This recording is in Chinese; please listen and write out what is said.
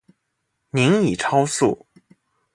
您已超速